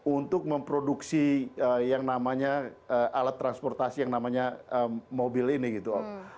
untuk memproduksi yang namanya alat transportasi yang namanya mobil ini gitu